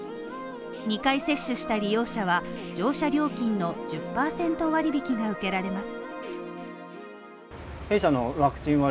２回接種した利用者は乗車料金の１０％割引が受けられます。